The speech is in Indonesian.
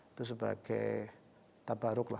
itu sebagai tabaruk lah supaya tolong